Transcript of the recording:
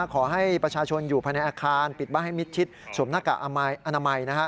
ขอให้ประชาชนอยู่ภายในอาคารปิดบ้านให้มิดชิดสวมหน้ากากอนามัย